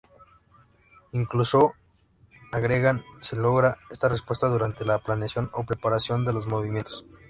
Incluso, agregan, se logra esta respuesta durante la planeación o preparación de los movimientos.